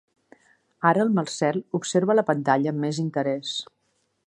Ara el Marcel observa la pantalla amb més interès.